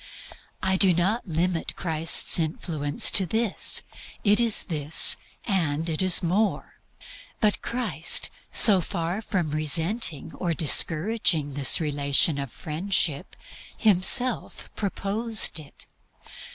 I do not limit Christ's influence to this: it is this, and it is more. But Christ, so far from resenting or discouraging this relation of Friendship, Himself proposed it.